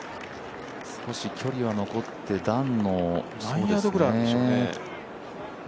少し距離は残って段の何ヤードぐらいあるんでしょうね。